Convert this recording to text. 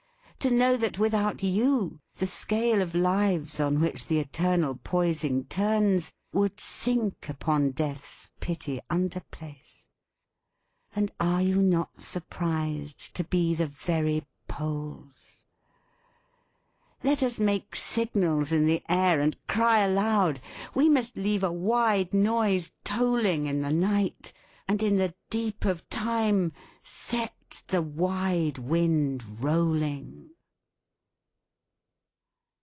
To know that, without you, the scale of lives on which the eternal poising turns would sink upon death's pitty under place? And are you not surprised to be the very poles? Let us make signals in the air and cry aloud. We must leave a wide noise tolling in the night; and in the deep of time, set the wide wind rolling.